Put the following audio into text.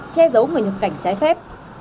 che giấu người nhập cảnh trái phép